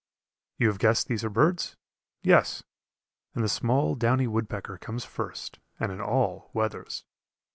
You have guessed these are birds? Yes; and the small downy woodpecker comes first, and in all weathers.